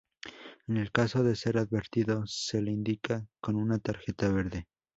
En el caso de ser advertido, se le indica con una tarjeta verde.